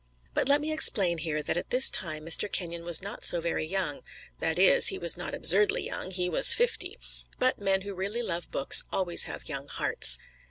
But let me explain here that at this time Mr. Kenyon was not so very young that is, he was not absurdly young: he was fifty. But men who really love books always have young hearts.